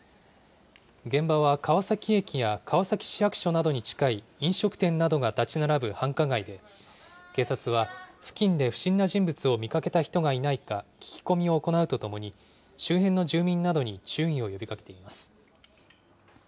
現場は川崎駅や川崎市役所などに近い飲食店などが建ち並ぶ繁華街で、警察は付近で不審な人物を見かけた人がいないか聞き込みを行うとともに、周辺の住民などに注意を呼びかけています。